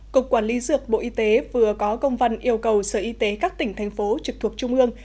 cục quản lý dược bộ y tế vừa có công văn yêu cầu sở y tế các tỉnh thành phố trực thuộc trung ương